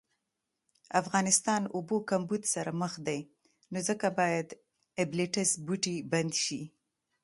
افغانستان اوبو کمبود سره مخ دي نو ځکه باید ابلیټس بوټی بند شي